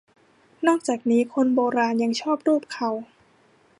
นอกจากนี้คนโบราณยังชอบลูบเครา